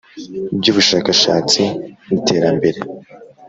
by Ubushakashatsi n Iterambere